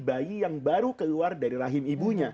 bayi yang baru keluar dari rahim ibunya